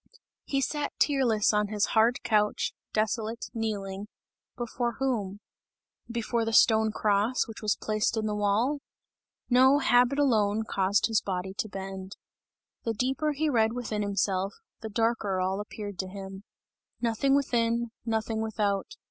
He sat tearless on his hard couch, desolate, kneeling before whom? Before the stone cross which was placed in the wall? No, habit alone caused his body to bend. The deeper he read within himself, the darker all appeared to him. "Nothing within, nothing without!